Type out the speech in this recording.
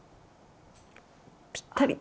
ぴったり！